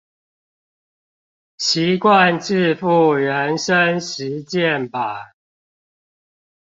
習慣致富人生實踐版